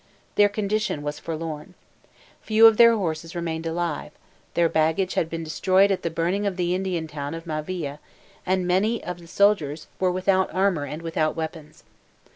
Their condition was most forlorn. Few of their horses remained alive; their baggage had been destroyed at the burning of the Indian town of Mavila, and many of the soldiers were without armor and without weapons.